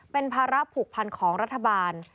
เป็นภาระผูกพันของรัฐบาล